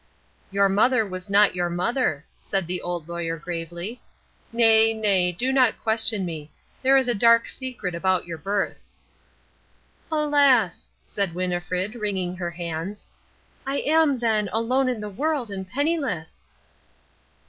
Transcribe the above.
"Your mother was not your mother," said the Old Lawyer gravely. "Nay, nay, do not question me. There is a dark secret about your birth." "Alas," said Winnifred, wringing her hands, "I am, then, alone in the world and penniless."